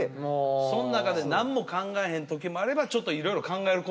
そん中で何も考えへん時もあればいろいろ考えることもあるもんな。